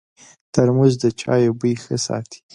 ترموز د چایو بوی ښه ساتي.